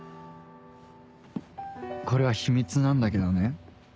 これは秘密なんだけどね